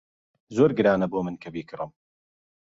زۆر گرانە بۆ من کە بیکڕم.